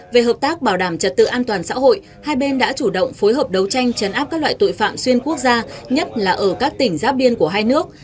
về hợp tác bảo đảm trật tự an toàn xã hội hai bên đã chủ động phối hợp đấu tranh chấn áp các loại tội phạm xuyên quốc gia nhất là ở các tỉnh giáp biên của hai nước